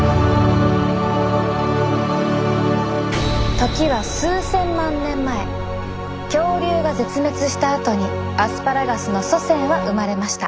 時は恐竜が絶滅したあとにアスパラガスの祖先は生まれました。